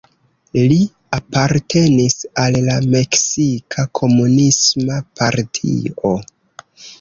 Li apartenis al la Meksika Komunisma Partio.